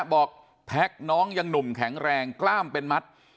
แพ็คน้องยังหนุ่มแข็งแรงกล้ามเป็นมัด